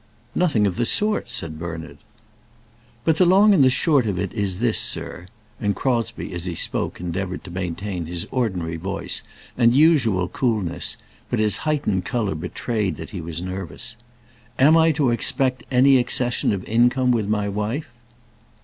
"Nothing of the sort," said Bernard. "But the long and the short of it is this, sir!" and Crosbie, as he spoke, endeavoured to maintain his ordinary voice and usual coolness, but his heightened colour betrayed that he was nervous. "Am I to expect any accession of income with my wife?"